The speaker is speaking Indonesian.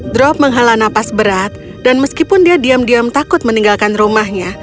drop menghala nafas berat dan meskipun dia diam diam takut meninggalkan rumahnya